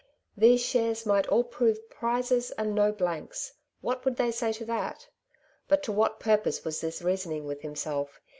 These shares might all prove prizes and no blanks ! what would they say to that ? But to what purpose was this reasoning with himself